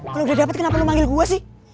kalo udah dapet kenapa lu manggil gua sih